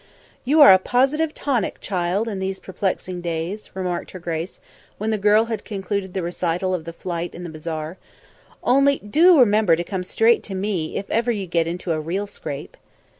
"You are a positive tonic, child, in these perplexing days," remarked her grace, when the girl had concluded the recital of the fight in the bazaar. "Only, do remember to come straight to me if ever you get into a real scrape."